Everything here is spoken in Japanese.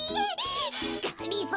がりぞー